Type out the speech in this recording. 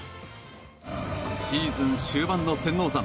シーズン終盤の天王山。